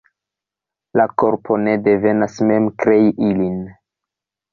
La korpo ne devas mem krei ilin.